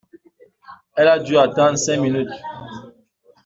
Elle a du attendre cinq minutes.